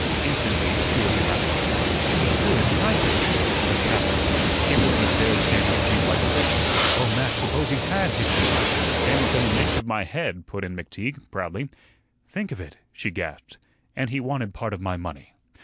Instantly she was aroused. "He threw his knife at you! The coward! He wouldn't of dared stand up to you like a man. Oh, Mac, suppose he HAD hit you?" "Came within an inch of my head," put in McTeague, proudly. "Think of it!" she gasped; "and he wanted part of my money.